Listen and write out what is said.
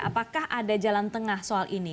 apakah ada jalan tengah soal ini